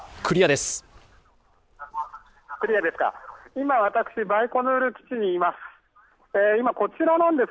今、私、バイコヌール基地にいます。